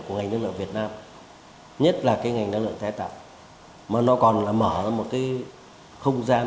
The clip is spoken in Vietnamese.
của ngành năng lượng việt nam nhất là cái ngành năng lượng tái tạo mà nó còn là mở ra một cái không gian